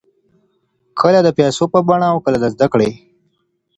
کله د پیسو په بڼه او کله د زده کړې.